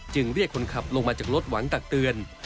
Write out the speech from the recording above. เรียกคนขับลงมาจากรถหวังตักเตือน